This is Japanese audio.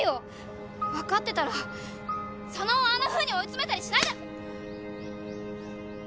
分かってたら佐野をあんなふうに追い詰めたりしないだ。